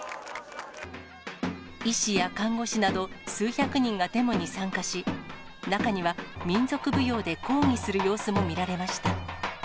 医師や看護師など、数百人がデモに参加し、中には、民族舞踊で抗議する様子も見られました。